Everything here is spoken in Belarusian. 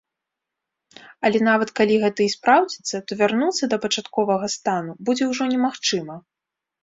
Але нават калі гэта і спраўдзіцца, то вярнуцца да пачатковага стану будзе ўжо немагчыма.